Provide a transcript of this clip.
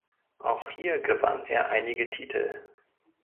Auch hier gewann er einige Titel.